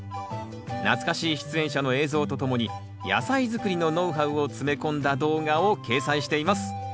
懐かしい出演者の映像とともに野菜づくりのノウハウを詰め込んだ動画を掲載しています。